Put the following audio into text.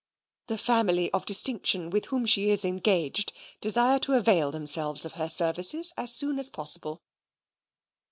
The family of distinction with whom she is engaged, desire to avail themselves of her services as soon as possible.